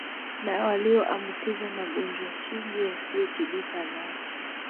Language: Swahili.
na walioambukizwa magonjwa sugu yasiotibika nasi